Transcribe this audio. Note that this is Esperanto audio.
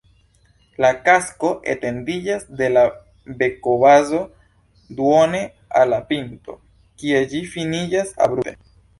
La kasko etendiĝas de la bekobazo duone al la pinto, kie ĝi finiĝas abrupte.